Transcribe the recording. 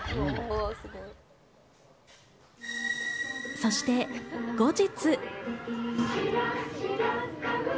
そして後日。